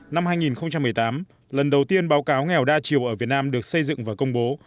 năm hai nghìn một mươi tám lần đầu tiên báo cáo nghèo đa chiều ở việt nam được xây dựng và công bố